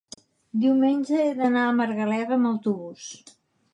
diumenge he d'anar a Margalef amb autobús.